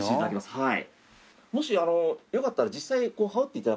はい。